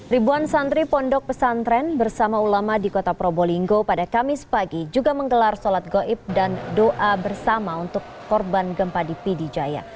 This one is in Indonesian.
ribuan santri pondok pesantren bersama ulama di kota probolinggo pada kamis pagi juga menggelar sholat goib dan doa bersama untuk korban gempa di pidijaya